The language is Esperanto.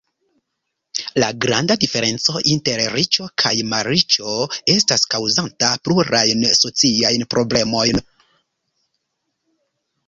La granda diferenco inter riĉo kaj malriĉo estas kaŭzanta plurajn sociajn problemojn.